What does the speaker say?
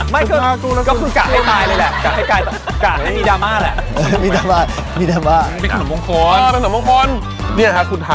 ไม่คุณกะให้ตายเลยละ